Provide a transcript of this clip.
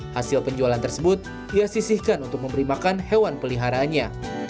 hasil penjualan tersebut ia sisihkan untuk memberi makan hewan peliharaannya